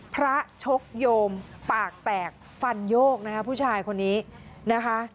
ชกโยมปากแตกฟันโยกนะคะผู้ชายคนนี้นะคะ